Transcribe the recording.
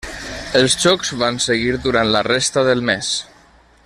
Els xocs van seguir durant la resta del mes.